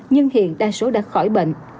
nhưng hiện đa số đã khỏi bệnh